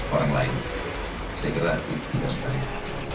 orang lain saya kira itu juga sebaiknya